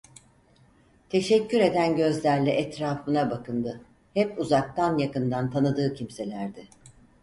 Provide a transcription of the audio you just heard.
Teşekkür eden gözlerle etrafına bakındı; hep uzaktan yakından tanıdığı kimselerdi.